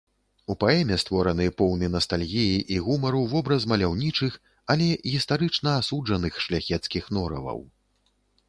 У паэме створаны поўны настальгіі і гумару вобраз маляўнічых, але гістарычна асуджаных шляхецкіх нораваў.